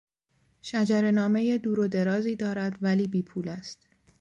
شجرهنامهی دور و درازی دارد ولی بی پول است.